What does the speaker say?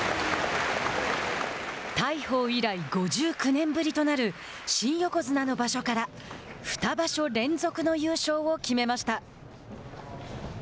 大鵬以来５９年ぶりとなる新横綱の場所から二場所連続の優勝を決めました。